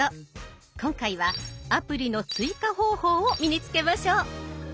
今回はアプリの追加方法を身につけましょう。